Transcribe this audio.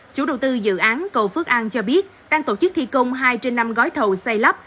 chủ đầu tư dự án cầu phước an cho biết đang tổ chức thi công hai trên năm gói thầu xây lắp